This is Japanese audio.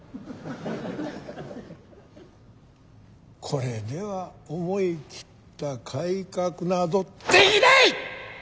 これでは思い切った改革などできない！